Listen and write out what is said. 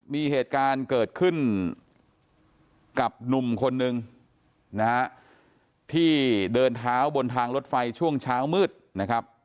มีเหตุการณ์เกิดขึ้นกับหนุ่มคนนึงนะฮะที่เดินเท้าบนทางรถไฟช่วงเช้ามืดนะครับ